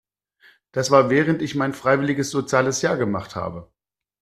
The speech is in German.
Das war während ich mein freiwilliges soziales Jahr gemacht habe.